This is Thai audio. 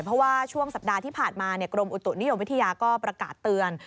เพราะว่าช่วงสัปดาห์ที่ผ่านมากรมอุตุนิยมวิทยาก็ประกาศเตือน